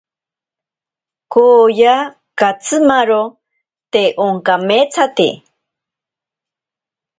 Kooya katsimaro te onkameetsate.